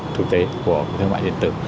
thực tế của thương mại điện tử